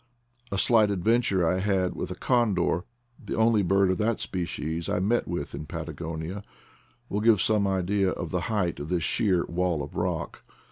A slight adventure I had with a condor, the only bird of that species I met with in Patagonia, will give some idea of the height of this sheer wall of rock.